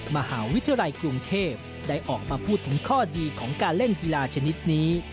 มหาวิทยาลัยกรุงเทพได้ออกมาพูดถึงข้อดีของการเล่นกีฬาชนิดนี้